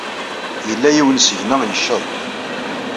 Yella yiwen seg-neɣ yecceḍ.